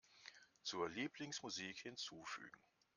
Zur Lieblingsmusik hinzufügen.